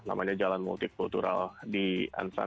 namanya jalan multikultural di ansar